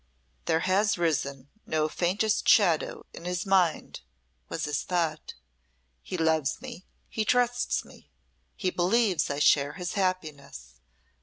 "There has risen no faintest shadow in his mind," was his thought. "He loves me, he trusts me, he believes I share his happiness.